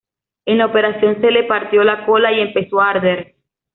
En la operación se le partió la cola y empezó a arder.